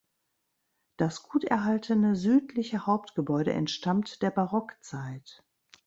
Das gut erhaltene südliche Hauptgebäude entstammt der Barockzeit.